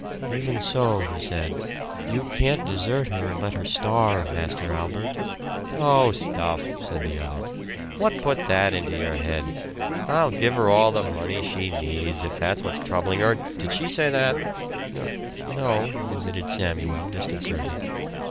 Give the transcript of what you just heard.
"Even so," he said, "you can't desert her and let her starve, Master Albert." "Oh, stuff!" said the other. "What put that into your head? I'll give her all the money she needs, if that's what's troubling her. Did she say that?" "N no," admitted Samuel disconcerted.